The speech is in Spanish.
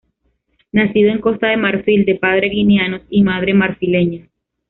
Nacido en Costa de Marfil, de padre guineanos y madre marfileña.